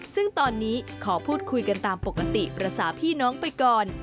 ซึ่งตอนนี้ขอพูดคุยกันตามปกติภาษาพี่น้องไปก่อน